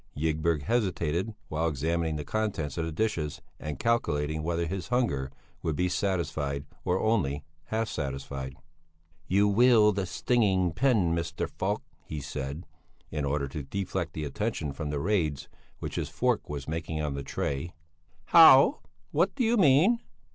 Ygberg hesitated while examining the contents of the dishes and calculating whether his hunger would be satisfied or only half satisfied. "You wield a stinging pen, Mr. Falk," he said, in order to deflect the attention from the raids which his fork was making on the tray. "How? What do you mean?"